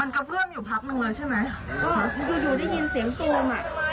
ก็อยู่ได้ยินเสียงโซม